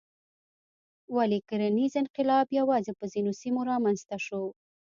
ولې کرنیز انقلاب یوازې په ځینو سیمو رامنځته شو؟